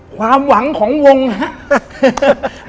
ความหวังของวงฮะ